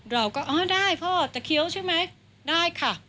เราก็อ๋อได้พ่อจะเคี้ยวใช่ไหมได้ค่ะ